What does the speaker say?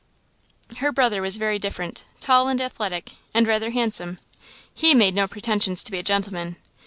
Her brother was very different; tall and athletic, and rather handsome, he made no pretensions to be a gentleman.